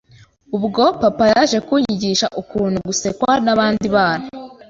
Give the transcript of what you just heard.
Ubwo papa yaje kunyigisha ukuntu gusekwa n’abandi bana